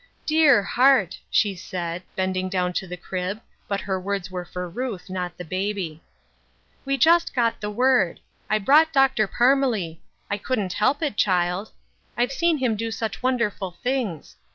" Dear heart," she said, bending down to the crib, but her words were for Ruth, not the baby. '*We just got the word. I brought Dr. Par* •Tf^elee ; I conldTrt help it, child ; I've seen him ''The Oil of Joy r 429 Ao such wonderful things.